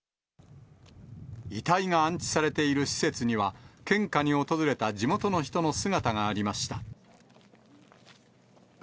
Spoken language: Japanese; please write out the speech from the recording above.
遺体が安置されている施設には、献花に訪れた地元の人の姿がありました。